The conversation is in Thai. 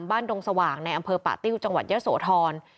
ดงสว่างในอำเภอป่าติ้วจังหวัดเยอะโสธร